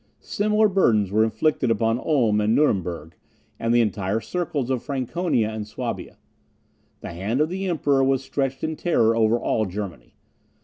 Similar burdens were inflicted upon Ulm and Nuremberg, and the entire circles of Franconia and Swabia. The hand of the Emperor was stretched in terror over all Germany.